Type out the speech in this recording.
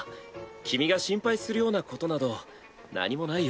君が心配するようなことなど何もないよ。